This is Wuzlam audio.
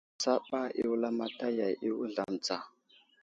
Sabasaba i wulamataya i wuzlam tsa.